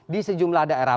di sejumlah daerah